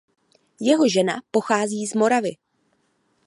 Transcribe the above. Jeho žena pochází z Moravy.